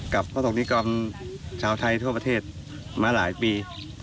กับพระศงนิกรรมชาวไทยทั่วประเทศมาหลายปี